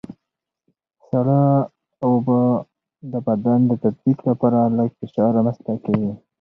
سړه اوبه د بدن د تطبیق لپاره لږ فشار رامنځته کوي.